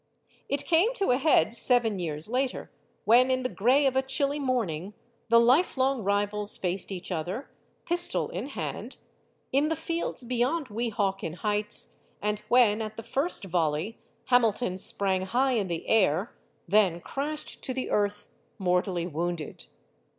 It came to a head seven years later, when, in the gray of a chilly morning, the lifelong rivals faced each other, pistol in hand, in the fields beyond Weehawken Heights; and when, at the first volley, Hamilton sprang high in air, then crashed to the earth, mortally wounded.